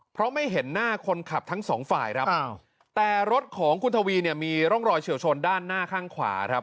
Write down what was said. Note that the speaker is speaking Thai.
เพราะไม่เห็นหน้าคนขับทั้งสองฝ่ายครับแต่รถของคุณทวีเนี่ยมีร่องรอยเฉียวชนด้านหน้าข้างขวาครับ